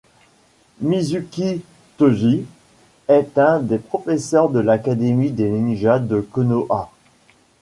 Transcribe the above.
Mizuki Tôji est un des professeurs de l'Académie des ninjas de Konoha.